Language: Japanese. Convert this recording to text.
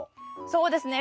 そうですね